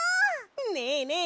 ねえねえ